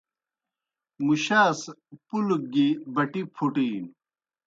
مُشاس پُلگ گیْ بٹِی پھوٹِینوْ۔